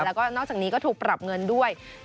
แล้วก็นอกจากนี้ก็ถูกปรับเงินด้วย